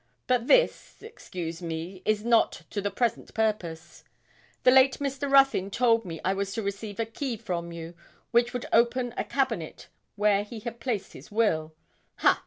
But this, excuse me, is not to the present purpose. The late Mr. Ruthyn told me I was to receive a key from you, which would open a cabinet where he had placed his will ha!